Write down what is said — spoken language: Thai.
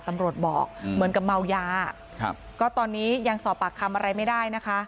ตำรวจบอกเหมือนกับเมายาครับก็ตอนนี้ยังสอบปากคำอะไรไม่ได้นะคะ